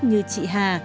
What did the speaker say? như chị hà